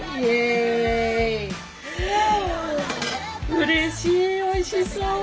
うれしいおいしそう！